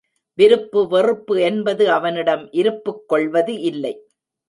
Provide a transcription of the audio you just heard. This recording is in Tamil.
விருப்பு வெறுப்பு என்பது அவனிடம் இருப்புக் கொள்வது இல்லை.